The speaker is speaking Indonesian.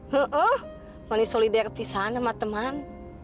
he eh mani solidar pisah sama teman